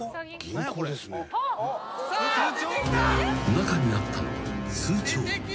［中にあったのは通帳］